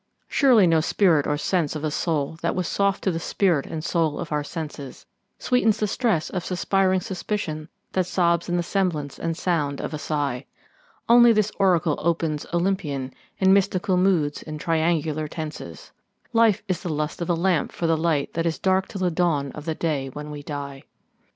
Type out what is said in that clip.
Surely no spirit or sense of a soul that was soft to the spirit and soul of our senses Sweetens the stress of suspiring suspicion that sobs in the semblance and sound of a sigh; Only this oracle opens Olympian, in mystical moods and triangular tenses "Life is the lust of a lamp for the light that is dark till the dawn of the day when we die."